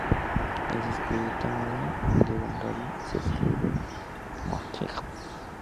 En escritura devanagari se escribe Gopi.